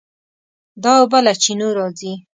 دا اوبه له چینو راځي.